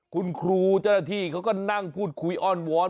คุณครูเจ้าหน้าที่เขาก็นั่งพูดคุยอ้อนวอน